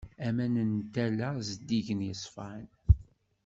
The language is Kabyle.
Aman n tala zeddigen yeṣfan.